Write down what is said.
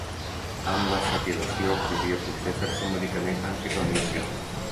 Amb l'acetilació podria potser fer-se un medicament antiradiació.